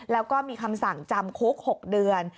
แล้วก็มีคำสั่งจำคุก๖เดือน